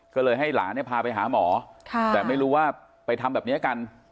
ก็เลยให้หลานเนี่ยพาไปหาหมอแต่ไม่รู้ว่าไปทำแบบนี้กัน